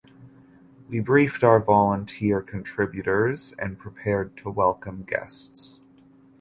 We briefed our volunteer contributors and prepared to welcome guests.